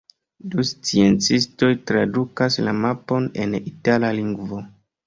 Du sciencistoj tradukas la mapon en itala lingvo.